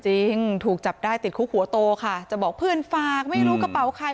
จริงถูกจับได้ติดคุกหัวโตค่ะจะบอกเพื่อนฝากไม่รู้กระเป๋าใคร